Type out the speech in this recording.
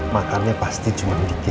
makannya pasti cuman bikin